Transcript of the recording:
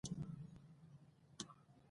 سند به چمتو کیږي.